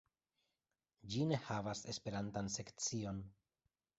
Ĝi ne havas esperantan sekcion.